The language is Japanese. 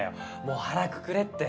もう腹くくれって。